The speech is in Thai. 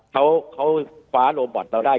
เขาคว้าโรบอตเราได้